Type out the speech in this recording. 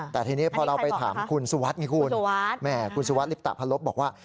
แต่ทีนี้พอเราไปถามคุณสุวัสตร์คุณสุวัสตร์ลิปตาภารพบอกว่า